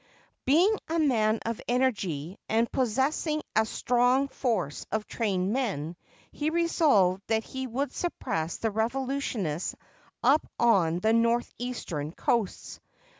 Being a man of energy, and possessing a strong force of trained men, he resolved that he would suppress the revolutionists up on the north eastern coasts.